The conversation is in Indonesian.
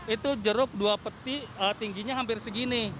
itu jeruk dua peti tingginya hampir segini